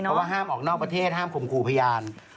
เพราะว่าห้ามออกนอกประเทศห้ามข่มขู่พยาน